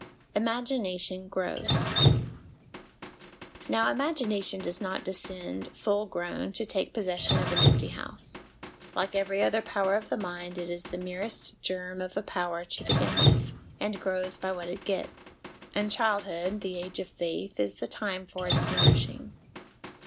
Imagination Grows. Now imagination does not descend, full grown, to take possession of an empty house; like every other power of the mind, it is the merest germ of a power to begin with, and grows by what it gets ; and childhood, the age of faith, is the time for its nourishing.